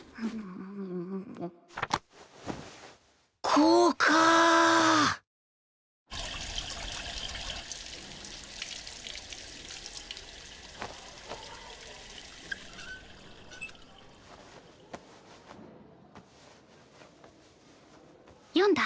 こうか！読んだ？